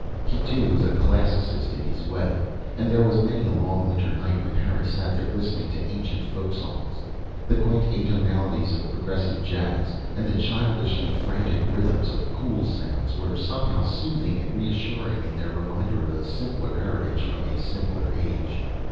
He too was a classicist in his way, and there was many a long winter night when Harry sat there listening to ancient folk songs. The quaint atonalities of progressive jazz and the childishly frantic rhythms of "cool sounds" were somehow soothing and reassuring in their reminder of a simple heritage from a simpler age.